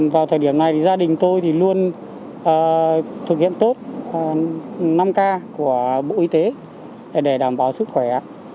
vào thời điểm này gia đình tôi thì luôn thực hiện tốt năm k của bộ y tế để đảm bảo sức khỏe